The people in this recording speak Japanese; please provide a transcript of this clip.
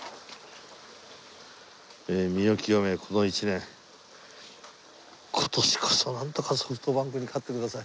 身を清めこの一年今年こそなんとかソフトバンクに勝ってください。